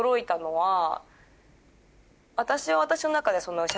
私は私の中では。